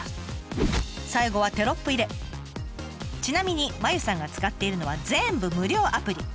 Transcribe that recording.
最後はちなみにまゆさんが使っているのは全部無料アプリ。